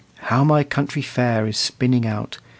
How my country fair is spinning out!